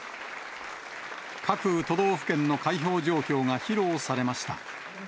各都道府県の開票状況が披露されました。